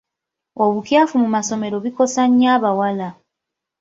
Obukyafu mu masomero bikosa nnyo abawala.